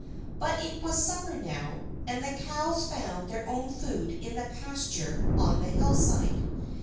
But it was summer now. And the cows found their own food in the pasture on the hillside.